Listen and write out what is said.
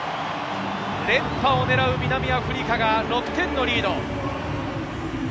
連覇を狙う南アフリカが６点のリード。